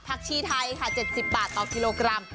ชีไทยค่ะ๗๐บาทต่อกิโลกรัม